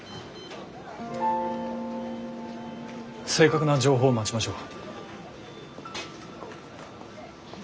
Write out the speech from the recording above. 正確な情報を待ちましょう。